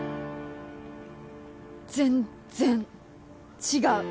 全っ然違う。